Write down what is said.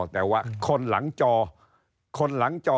แต่ว่าคนหลังจอ